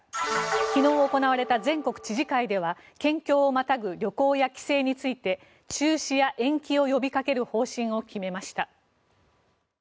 昨日行われた全国知事会では県境をまたぐ旅行や帰省について中止や延期を呼びかける方針を決めました。